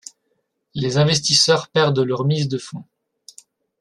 Les investisseurs perdent leur mise de fonds.